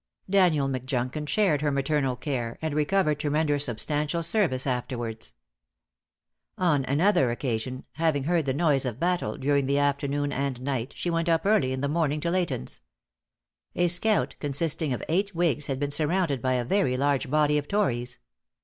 Daniel Mcjunkin shared her maternal care, and recovered to render substantial service afterwards. On another occasion, having heard the noise of battle during the afternoon and night, she went up early in the morning to Leighton's. A scout consisting of eight whigs had been surrounded by a very large body of tories.